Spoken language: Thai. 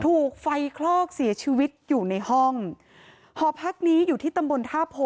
ถูกไฟคลอกเสียชีวิตอยู่ในห้องหอพักนี้อยู่ที่ตำบลท่าโพ